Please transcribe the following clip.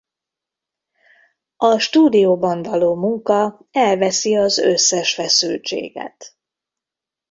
A stúdióban való munka elveszi az összes feszültséget.